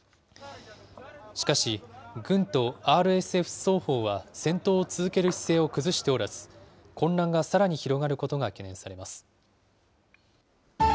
しかし、軍とＲＳＦ双方は戦闘を続ける姿勢を崩しておらず、混乱がさらに広がることが懸念されます。